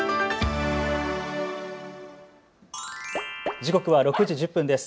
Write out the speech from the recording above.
時刻は６時１０分です。